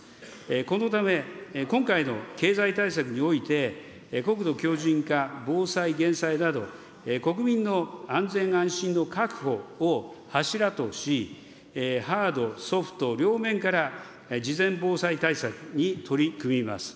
このため、今回の経済対策において、国土強じん化、防災・減災など国民の安全安心の確保を柱とし、ハード、ソフト両面から事前防災対策に取り組みます。